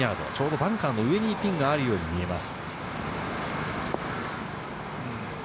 バンカーの上にピンがあるように見えます。